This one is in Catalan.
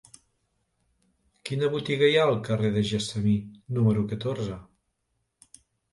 Quina botiga hi ha al carrer del Gessamí número catorze?